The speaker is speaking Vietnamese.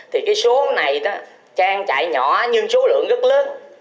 thì cái số này đó trang trại nhỏ nhưng số lượng rất lớn